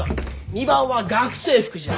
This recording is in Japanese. ２番は学生服じゃ。